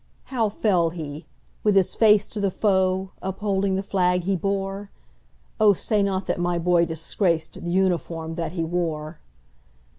"How fell he,—with his face to the foe, Upholding the flag he bore? Oh, say not that my boy disgracedThe uniform that he wore!"